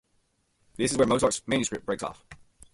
This is where Mozart's manuscript breaks off.